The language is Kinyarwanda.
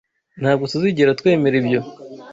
Ntabwo tuzigera twemera ibyo